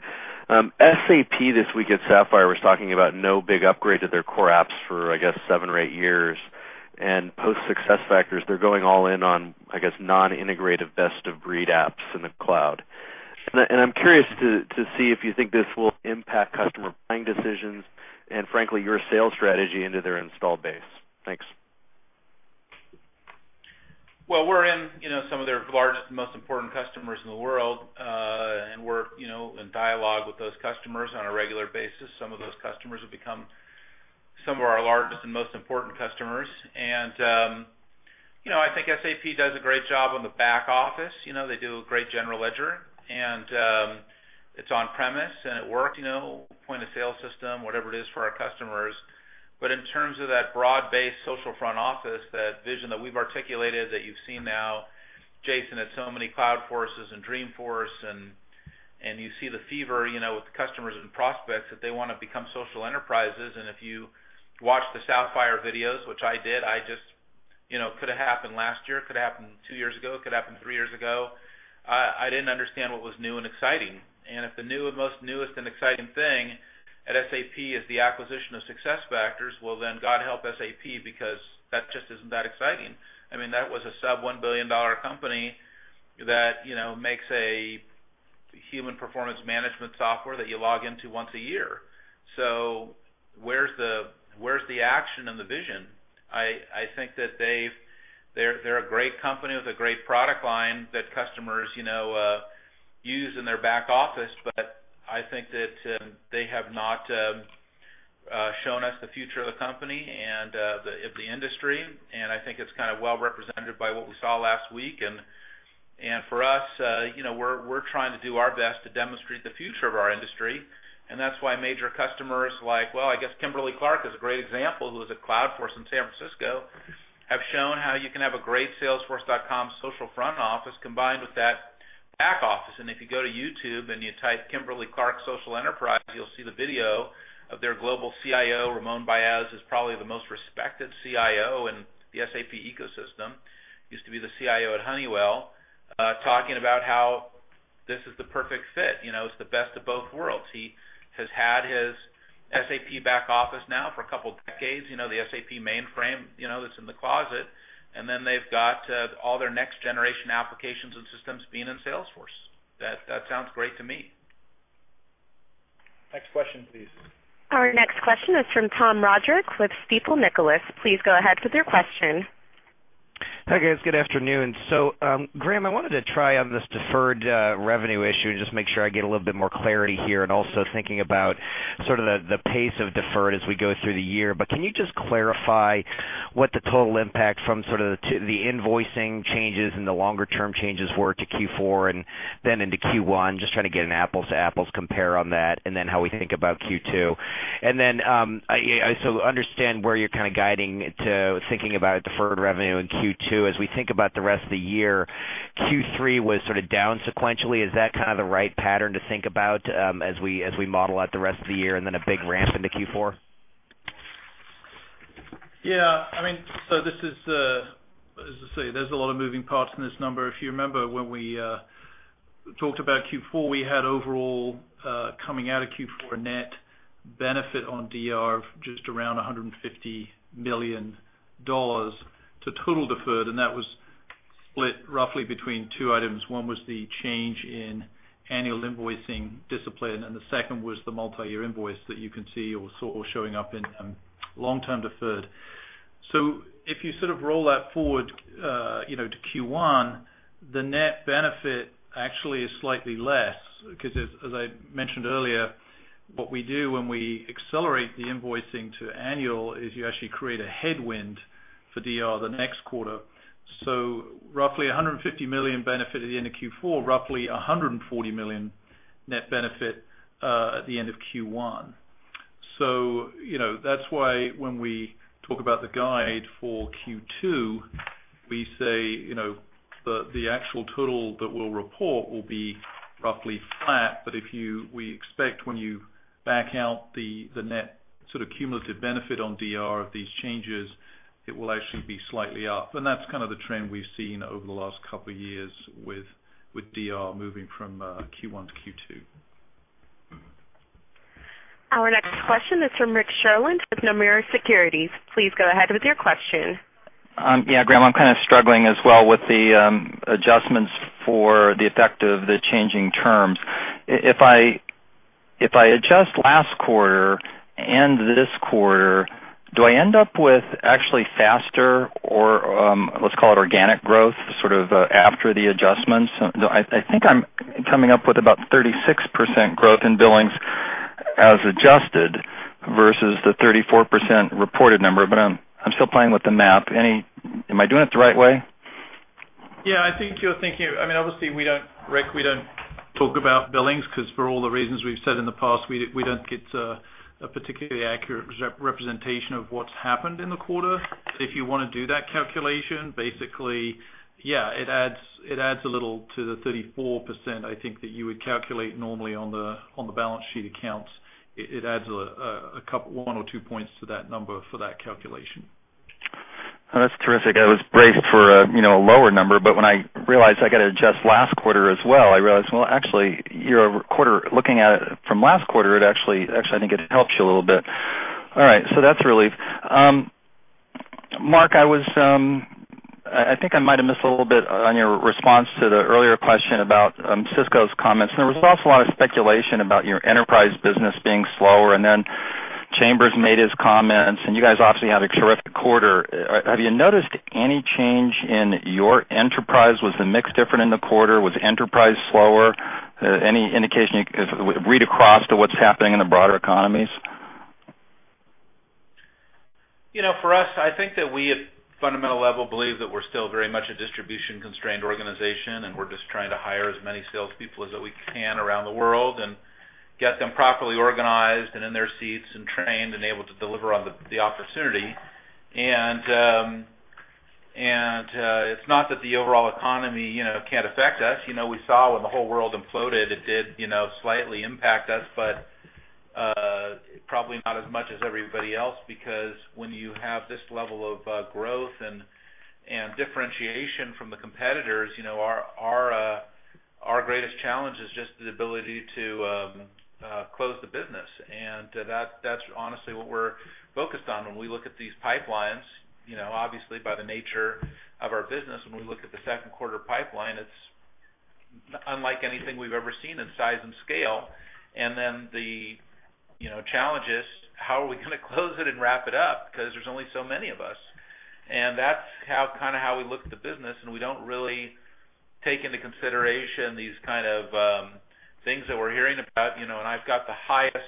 SAP this week at SAP Sapphire was talking about no big upgrade to their core apps for, I guess, seven or eight years. Post SuccessFactors, they're going all in on, I guess, non-integrative best of breed apps in the cloud. I'm curious to see if you think this will impact customer buying decisions and frankly, your sales strategy into their installed base. Thanks.
Well, we're in some of their largest and most important customers in the world, and we're in dialogue with those customers on a regular basis. Some of those customers have become some of our largest and most important customers. I think SAP does a great job on the back office. They do a great general ledger, and it's on-premise, and it worked, point of sale system, whatever it is for our customers. In terms of that broad-based social front office, that vision that we've articulated that you've seen now, Jason, at so many Cloudforces and Dreamforce, and you see the fever with the customers and prospects that they want to become social enterprises. If you watch the SAP Sapphire videos, which I did, it could have happened last year, could happen two years ago, could happen three years ago. I didn't understand what was new and exciting. If the most newest and exciting thing at SAP is the acquisition of SuccessFactors, well, God help SAP, because that just isn't that exciting. That was a sub $1 billion company that makes a human performance management software that you log into once a year. Where's the action and the vision? I think that they're a great company with a great product line that customers use in their back office, I think that they have not shown us the future of the company and of the industry. I think it's well represented by what we saw last week. For us, we're trying to do our best to demonstrate the future of our industry. That's why major customers like Kimberly-Clark is a great example, who was at Cloudforce in San Francisco, have shown how you can have a great Salesforce.com social front office combined with that back office. If you go to YouTube and you type Kimberly-Clark social enterprise, you'll see the video of their global CIO, Ramon Baez, is probably the most respected CIO in the SAP ecosystem. Used to be the CIO at Honeywell, talking about how this is the perfect fit. It's the best of both worlds. He has had his SAP back office now for a couple of decades, the SAP mainframe that's in the closet, and then they've got all their next-generation applications and systems being in Salesforce. That sounds great to me.
Next question, please.
Our next question is from Tom Roderick with Stifel Nicolaus. Please go ahead with your question.
Hi, guys. Good afternoon. Graham, I wanted to try on this deferred revenue issue and just make sure I get a little bit more clarity here, also thinking about sort of the pace of deferred as we go through the year. Can you just clarify what the total impact from sort of the invoicing changes and the longer-term changes were to Q4 and then into Q1? Just trying to get an apples-to-apples compare on that, and then how we think about Q2. I still understand where you're kind of guiding to thinking about deferred revenue in Q2. As we think about the rest of the year, Q3 was sort of down sequentially. Is that kind of the right pattern to think about as we model out the rest of the year and then a big ramp into Q4?
As I say, there's a lot of moving parts in this number. If you remember when we talked about Q4, we had overall coming out of Q4 net benefit on DR of just around $150 million to total deferred, and that was split roughly between two items. One was the change in annual invoicing discipline, and the second was the multi-year invoice that you can see or showing up in long-term deferred. If you sort of roll that forward to Q1, the net benefit actually is slightly less, because as I mentioned earlier, what we do when we accelerate the invoicing to annual is you actually create a headwind for DR the next quarter. Roughly $150 million benefit at the end of Q4, roughly $140 million net benefit at the end of Q1. That's why when we talk about the guide for Q2, we say the actual total that we'll report will be roughly flat. We expect when you back out the net sort of cumulative benefit on DR of these changes, it will actually be slightly up. That's kind of the trend we've seen over the last couple of years with DR moving from Q1 to Q2.
Our next question is from Rick Sherlund with Nomura Securities. Please go ahead with your question.
Graham, I'm kind of struggling as well with the adjustments for the effect of the changing terms. If I adjust last quarter and this quarter, do I end up with actually faster or, let's call it organic growth, sort of after the adjustments? I think I'm coming up with about 36% growth in billings as adjusted versus the 34% reported number, but I'm still playing with the math. Am I doing it the right way?
Obviously, Rick, we don't talk about billings because for all the reasons we've said in the past, we don't get a particularly accurate representation of what's happened in the quarter. If you want to do that calculation, basically, it adds a little to the 34%, I think, that you would calculate normally on the balance sheet accounts. It adds one or two points to that number for that calculation.
That's terrific. When I realized I got to adjust last quarter as well, I realized, well, actually, looking at it from last quarter, it actually, I think it helps you a little bit. All right, that's a relief. Mark, I think I might have missed a little bit on your response to the earlier question about Cisco's comments. There was also a lot of speculation about your enterprise business being slower. Chambers made his comments, and you guys obviously had a terrific quarter. Have you noticed any change in your enterprise? Was the mix different in the quarter? Was enterprise slower? Any indication, read across to what's happening in the broader economies?
For us, I think that we, at a fundamental level, believe that we're still very much a distribution-constrained organization. We're just trying to hire as many salespeople as we can around the world and get them properly organized and in their seats and trained and able to deliver on the opportunity. It's not that the overall economy can't affect us. We saw when the whole world imploded, it did slightly impact us, probably not as much as everybody else, because when you have this level of growth and differentiation from the competitors, our greatest challenge is just the ability to close the business, and that's honestly what we're focused on. When we look at these pipelines, obviously by the nature of our business, when we look at the second quarter pipeline, it's unlike anything we've ever seen in size and scale. The challenge is, how are we going to close it and wrap it up? Because there's only so many of us. That's kind of how we look at the business. We don't really take into consideration these kind of things that we're hearing about. I've got the highest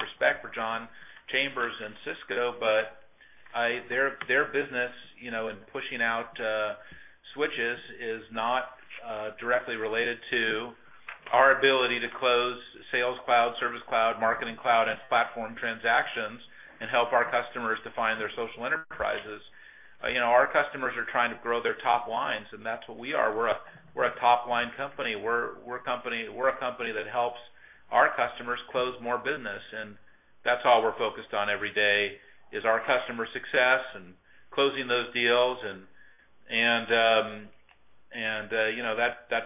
respect for John Chambers and Cisco, but their business in pushing out switches is not directly related to our ability to close Sales Cloud, Service Cloud, Marketing Cloud, and platform transactions and help our customers define their social enterprises. Our customers are trying to grow their top lines, and that's what we are. We're a top-line company. We're a company that helps our customers close more business. That's all we're focused on every day is our customer success and Closing those deals. That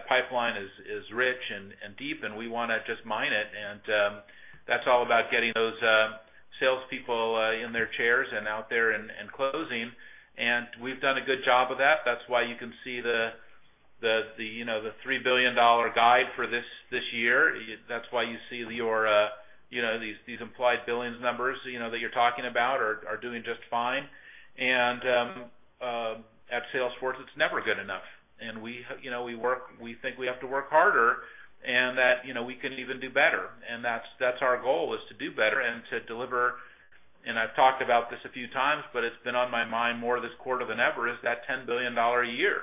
pipeline is rich and deep, and we want to just mine it. That's all about getting those salespeople in their chairs and out there and closing. We've done a good job of that. That's why you can see the $3 billion guide for this year. That's why you see these implied billions numbers that you're talking about are doing just fine. At Salesforce, it's never good enough. We think we have to work harder and that we can even do better. That's our goal, is to do better and to deliver. I've talked about this a few times, but it's been on my mind more this quarter than ever, is that $10 billion a year,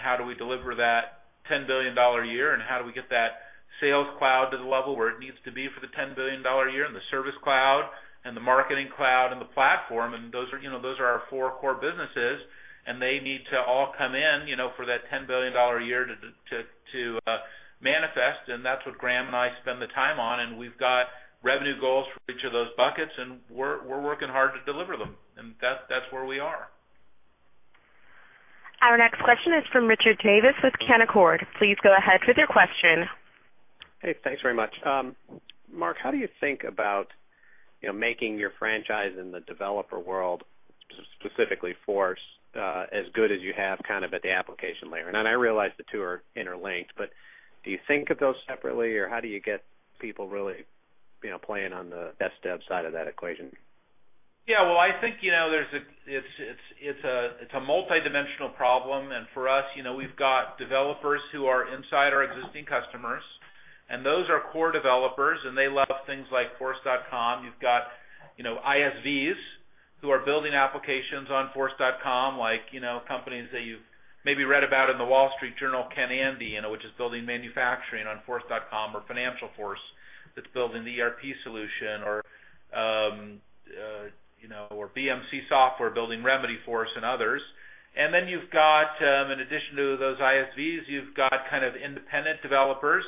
how do we deliver that $10 billion a year, how do we get that Sales Cloud to the level where it needs to be for the $10 billion a year, the Service Cloud and the Marketing Cloud and the platform. Those are our four core businesses, and they need to all come in for that $10 billion a year to manifest. That's what Graham and I spend the time on, and we've got revenue goals for each of those buckets, and we're working hard to deliver them, and that's where we are.
Our next question is from Richard Davis with Canaccord. Please go ahead with your question.
Hey, thanks very much. Mark, how do you think about making your franchise in the developer world, specifically Force, as good as you have at the application layer? I realize the two are interlinked, but do you think of those separately, or how do you get people really playing on the best dev side of that equation?
Yeah. Well, I think it's a multi-dimensional problem. For us, we've got developers who are inside our existing customers, and those are core developers, and they love things like force.com. You've got ISVs who are building applications on force.com, like companies that you've maybe read about in "The Wall Street Journal," Kenandy, which is building manufacturing on force.com, or FinancialForce that's building the ERP solution, or BMC Software building Remedyforce and others. You've got, in addition to those ISVs, you've got independent developers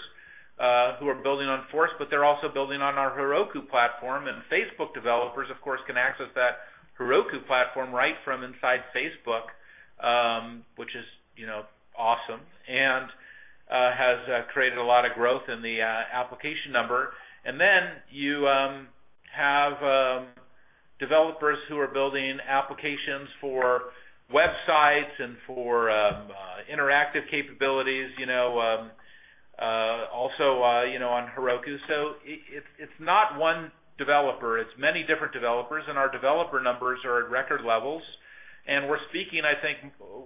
who are building on Force, but they're also building on our Heroku platform. Facebook developers, of course, can access that Heroku platform right from inside Facebook, which is awesome and has created a lot of growth in the application number. You have developers who are building applications for websites and for interactive capabilities, also on Heroku. It's not one developer, it's many different developers. Our developer numbers are at record levels. We're speaking, I think,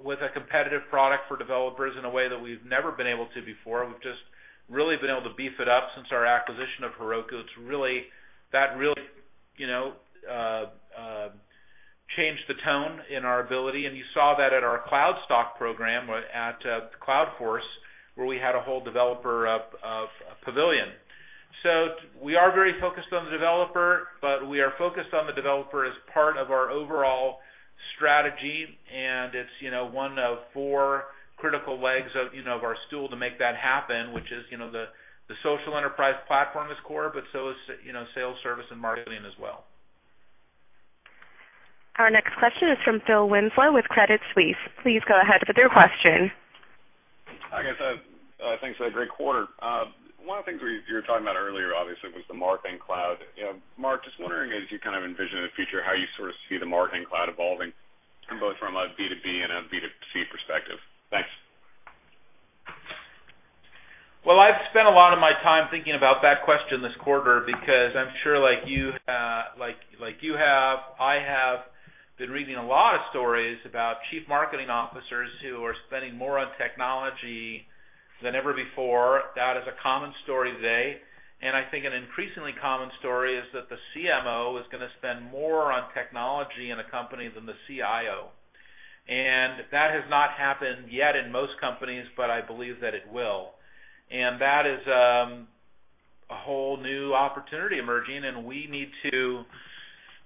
with a competitive product for developers in a way that we've never been able to before. We've just really been able to beef it up since our acquisition of Heroku. That really changed the tone in our ability, and you saw that at our Cloudstock program at Cloudforce, where we had a whole developer pavilion. We are very focused on the developer, but we are focused on the developer as part of our overall strategy. It's one of four critical legs of our stool to make that happen, which is the social enterprise platform is core, but so is sales, service, and marketing as well.
Our next question is from Philip Winslow with Credit Suisse. Please go ahead with your question.
Hi, guys. Thanks for the great quarter. One of the things you were talking about earlier, obviously, was the Marketing Cloud. Marc, just wondering as you envision the future, how you sort of see the Marketing Cloud evolving both from a B2B and a B2C perspective. Thanks.
Well, I've spent a lot of my time thinking about that question this quarter because I'm sure like you have, I have been reading a lot of stories about chief marketing officers who are spending more on technology than ever before. That is a common story today. I think an increasingly common story is that the CMO is going to spend more on technology in a company than the CIO. That has not happened yet in most companies, but I believe that it will. That is a whole new opportunity emerging, and we need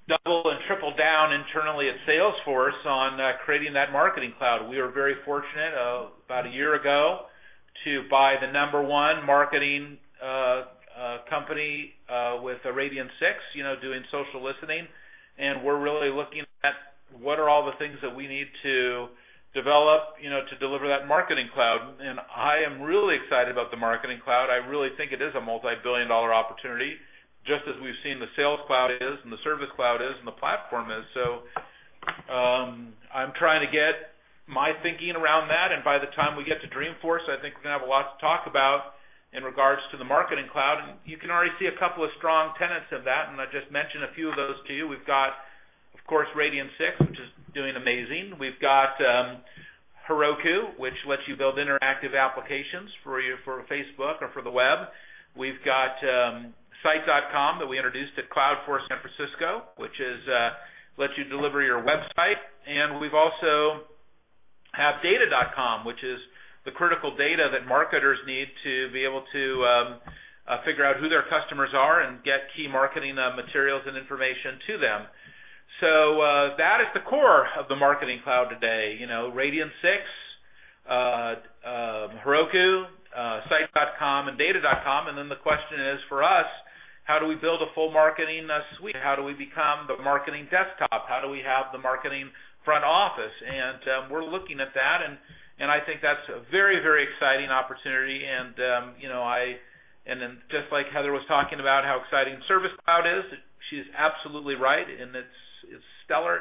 to double and triple down internally at Salesforce on creating that Marketing Cloud. We were very fortunate about a year ago to buy the number one marketing company with Radian6 doing social listening, and we're really looking at what are all the things that we need to develop to deliver that Marketing Cloud. I am really excited about the Marketing Cloud. I really think it is a multi-billion-dollar opportunity, just as we've seen the Sales Cloud is, and the Service Cloud is, and the platform is. I'm trying to get my thinking around that, and by the time we get to Dreamforce, I think we're going to have a lot to talk about in regards to the Marketing Cloud. You can already see a couple of strong tenets of that, and I'll just mention a few of those to you. We've got, of course, Radian6, which is doing amazing. We've got Heroku, which lets you build interactive applications for Facebook or for the web. We've got site.com that we introduced at Cloudforce San Francisco, which lets you deliver your website. We also have data.com, which is the critical data that marketers need to be able to figure out who their customers are and get key marketing materials and information to them. That is the core of the Marketing Cloud today. Radian6, Heroku, site.com and data.com. The question is for us, how do we build a full marketing suite? How do we become the marketing desktop? How do we have the marketing front office? We're looking at that, and I think that's a very exciting opportunity. Then just like Heather was talking about how exciting Service Cloud is, she's absolutely right, and it's stellar.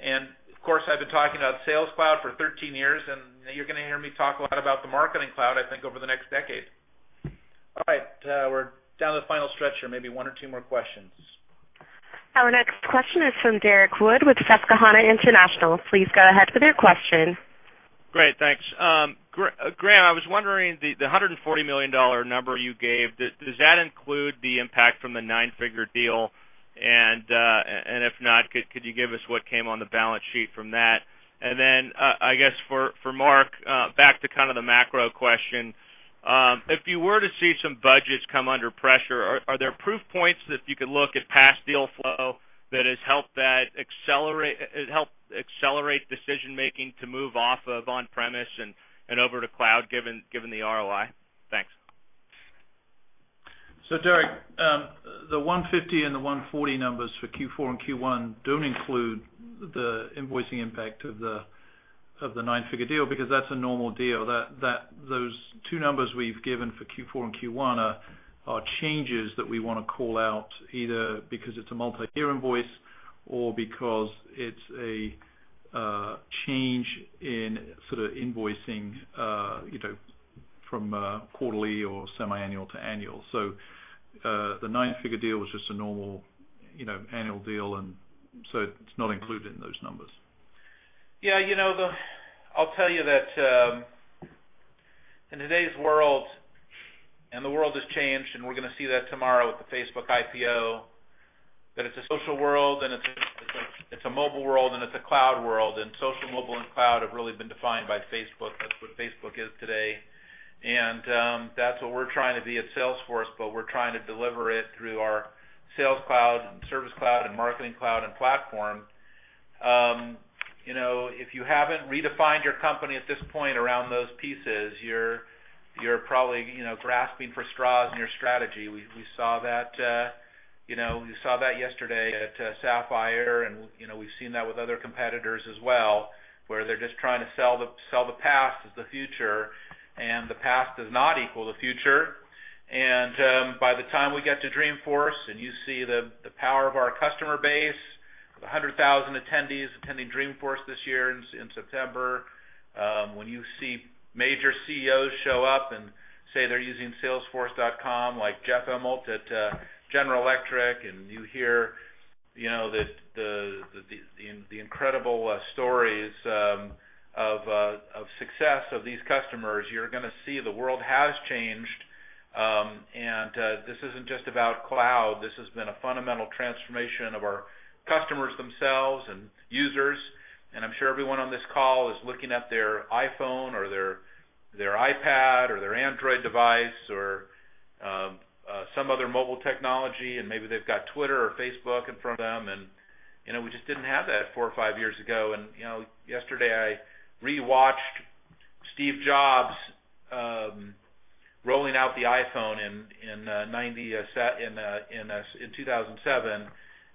Of course, I've been talking about Sales Cloud for 13 years, and you're going to hear me talk a lot about the Marketing Cloud, I think, over the next decade. All right, we're down to the final stretch here. Maybe one or two more questions.
Our next question is from Derrick Wood with Susquehanna International. Please go ahead with your question.
Great. Thanks. Graham, I was wondering, the $140 million number you gave, does that include the impact from the nine-figure deal? If not, could you give us what came on the balance sheet from that? Then, I guess for Marc, back to kind of the macro question. If you were to see some budgets come under pressure, are there proof points that you could look at past deal flow that has helped accelerate decision-making to move off of on-premise and over to cloud, given the ROI? Thanks.
Derrick, the $150 and the $140 numbers for Q4 and Q1 don't include the invoicing impact of the nine-figure deal because that's a normal deal. Those two numbers we've given for Q4 and Q1 are changes that we want to call out, either because it's a multi-year invoice or because it's a change in sort of invoicing from quarterly or semiannual to annual. The nine-figure deal was just a normal annual deal, it's not included in those numbers. I'll tell you that in today's world, the world has changed, we're going to see that tomorrow with the Facebook IPO, that it's a social world, it's a mobile world, it's a cloud world. Social, mobile, and cloud have really been defined by Facebook. That's what Facebook is today.
That's what we're trying to be at Salesforce, we're trying to deliver it through our Sales Cloud and Service Cloud and Marketing Cloud and platform. If you haven't redefined your company at this point around those pieces, you're probably grasping for straws in your strategy. We saw that yesterday at Sapphire, we've seen that with other competitors as well, where they're just trying to sell the past as the future, the past does not equal the future. By the time we get to Dreamforce and you see the power of our customer base with 100,000 attendees attending Dreamforce this year in September. When you see major CEOs show up and say they're using Salesforce.com, like Jeff Immelt at General Electric, you hear the incredible stories of success of these customers, you're going to see the world has changed. This isn't just about cloud. This has been a fundamental transformation of our customers themselves and users. I'm sure everyone on this call is looking at their iPhone or their iPad or their Android device or some other mobile technology, and maybe they've got Twitter or Facebook in front of them. We just didn't have that four or five years ago. Yesterday, I re-watched Steve Jobs rolling out the iPhone in 2007,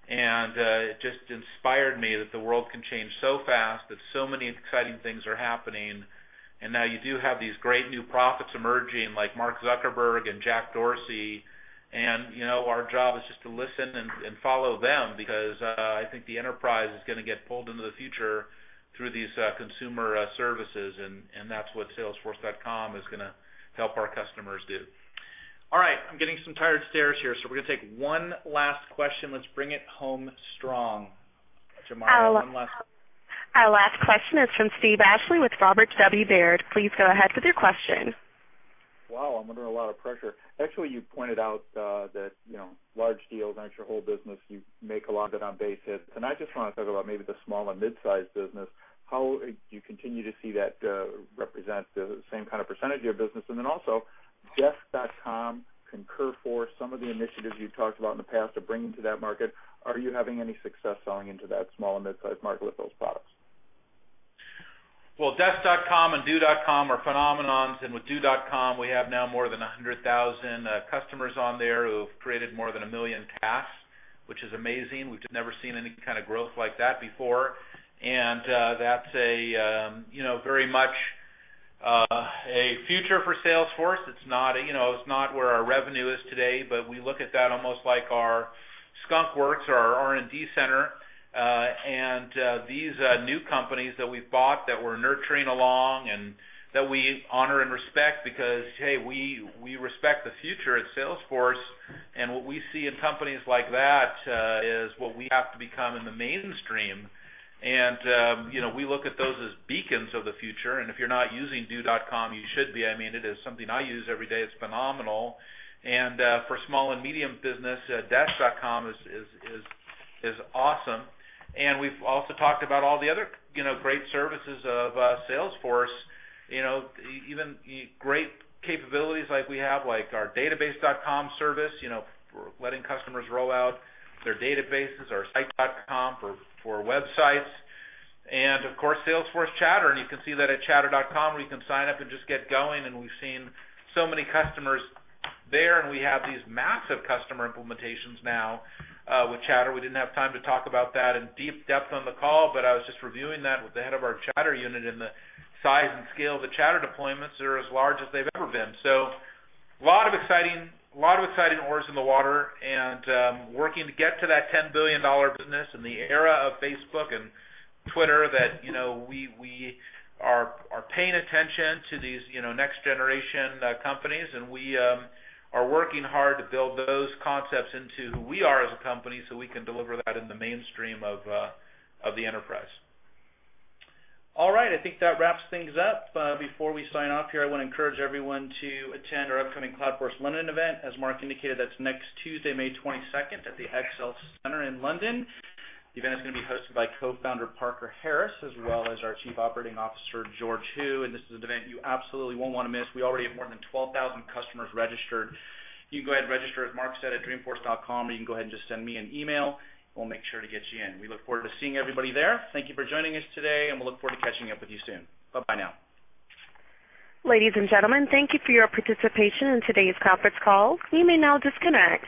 and it just inspired me that the world can change so fast, that so many exciting things are happening. Now you do have these great new prophets emerging, like Mark Zuckerberg and Jack Dorsey. Our job is just to listen and follow them because I think the enterprise is going to get pulled into the future through these consumer services, and that's what Salesforce.com is going to help our customers do. All right. I'm getting some tired stares here, we're going to take one last question. Let's bring it home strong, Jamar. One last.
Our last question is from Steven Ashley with Robert W. Baird. Please go ahead with your question.
Wow, I'm under a lot of pressure. Actually, you pointed out that large deals aren't your whole business. You make a lot of it on base hits, I just want to talk about maybe the small and mid-size business, how you continue to see that represent the same kind of percentage of your business. Then also, Desk.com, Concurforce for some of the initiatives you've talked about in the past are bringing to that market. Are you having any success selling into that small and mid-size market with those products?
Well, Desk.com and Do.com are phenomenons. With Do.com, we have now more than 100,000 customers on there who have created more than 1 million tasks, which is amazing. We've just never seen any kind of growth like that before. That's very much a future for Salesforce. It's not where our revenue is today, but we look at that almost like our skunkworks or our R&D center. These new companies that we've bought, that we're nurturing along, and that we honor and respect because, hey, we respect the future at Salesforce. What we see in companies like that is what we have to become in the mainstream, and we look at those as beacons of the future. If you're not using Do.com, you should be. It is something I use every day. It's phenomenal. For small and medium business, Desk.com is awesome. We've also talked about all the other great services of Salesforce, even great capabilities like we have, like our Database.com service, for letting customers roll out their databases, or Site.com for websites. Of course, Salesforce Chatter, and you can see that at chatter.com, where you can sign up and just get going. We've seen so many customers there, and we have these massive customer implementations now with Chatter. We didn't have time to talk about that in deep depth on the call, but I was just reviewing that with the head of our Chatter unit, and the size and scale of the Chatter deployments are as large as they've ever been. A lot of exciting oars in the water, and working to get to that $10 billion business in the era of Facebook and Twitter that we are paying attention to these next-generation companies.
We are working hard to build those concepts into who we are as a company so we can deliver that in the mainstream of the enterprise. All right. I think that wraps things up. Before we sign off here, I want to encourage everyone to attend our upcoming Cloudforce London event. As Marc indicated, that's next Tuesday, May 22nd at the ExCeL Center in London. The event is going to be hosted by co-founder Parker Harris, as well as our Chief Operating Officer, George Hu, and this is an event you absolutely won't want to miss. We already have more than 12,000 customers registered. You can go ahead and register, as Marc said, at dreamforce.com, or you can go ahead and just send me an email. We'll make sure to get you in. We look forward to seeing everybody there. Thank you for joining us today. We'll look forward to catching up with you soon. Bye now.
Ladies and gentlemen, thank you for your participation in today's conference call. You may now disconnect.